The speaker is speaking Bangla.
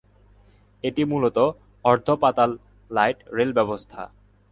এটি মূলত অর্ধ-পাতাল লাইট রেল ব্যবস্থা।